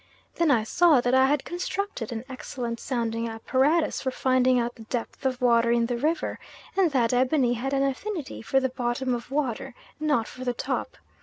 Then I saw that I had constructed an excellent sounding apparatus for finding out the depth of water in the river; and that ebony had an affinity for the bottom of water, not for the top.